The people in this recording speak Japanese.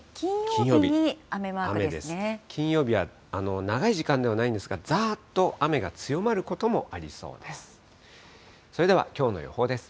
金曜日は長い時間ではないんですが、ざーっと雨が強まることもありそうです。